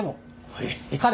はい。